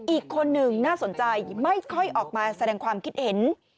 อีกคนหนึ่งน่าสนใจไม่ค่อยออกมาแสดงความคิดเห็น